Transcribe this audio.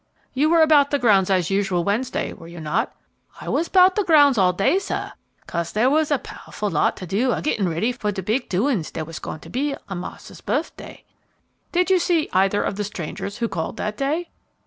"You were about the grounds as usual Wednesday, were you not?" "I was 'bout de grounds all day, sah, 'case dere was a pow'ful lot to do a gittin' ready for de big doins dere was goin' to be on mars'r's birfday." "Did you see either of the strangers who called that day?"